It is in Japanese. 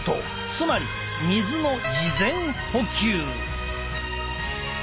つまり水の事前補給。